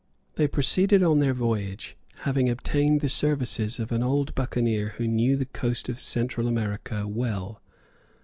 They proceeded on their voyage, having obtained the services of an old buccaneer who knew the coast of Central America well.